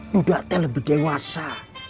duda teh lebih dewasa